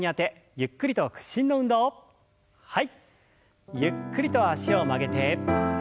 ゆっくりと脚を曲げて。